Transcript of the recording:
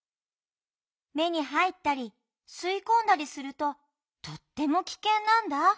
目にはいったりすいこんだりするととってもきけんなんだ。